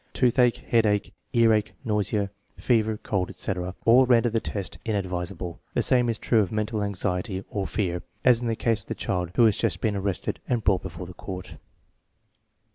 Toothache, headache, earache, nausea, fever, cold, etc., all render the test inadvisable. The same is true of mental anxiety or fear, as in the case of the child who has just been arrested and brought before the court.